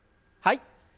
はい。